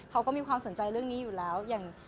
เขาก็มีความสนใจเรื่องนี้อยู่แล้วอย่าง